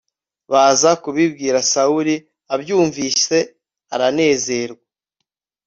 baza kubibwira sawuli abyumvise aranezerwa